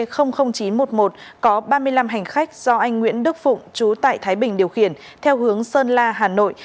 khách ba mươi năm hành khách do anh nguyễn đức phụng chú tại thái bình điều khiển theo hướng sơn la hà nội